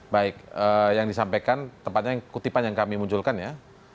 baik yang disampaikan tempatnya yang kutipan yang kami munculkan ya